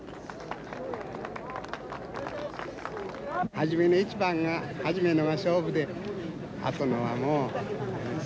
初めの一番が初めのが勝負であとのはもう。